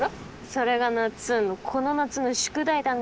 それがなっつんのこの夏の宿題だね。